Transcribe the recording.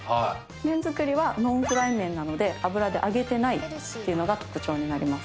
麺づくりはノンフライ麺なので油で揚げてないっていうのが特徴になります。